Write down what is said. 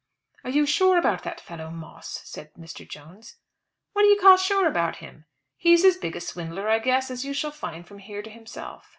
"Are you sure about that fellow Moss?" said Mr. Jones. "What do you call sure about him? He's as big a swindler, I guess, as you shall find from here to himself."